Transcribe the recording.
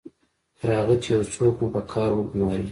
تر هغه چې یو څوک مو په کار وګماري